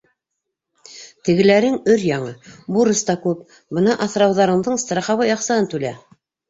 Тегеләрең өр-яңы, бурыс та күп, бына аҫрауҙарыңдың страховой аҡсаһын түлә.